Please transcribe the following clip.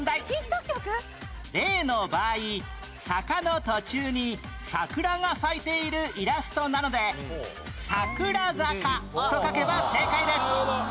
例の場合坂の途中に桜が咲いているイラストなので『桜坂』と書けば正解です